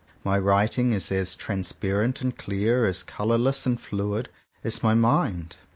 My writing is as transparent and clear, as colourless and fluid, as my mind.